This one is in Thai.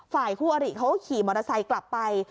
ฝ่ายคู่อริเขาก็ขี่มอเตอร์ไซค์กลับไป